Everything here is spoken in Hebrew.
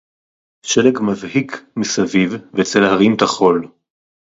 שֶׁלֶג מַבְהִיק מִסָּבִיב, וְצֵל הָרִים תָּכוֹל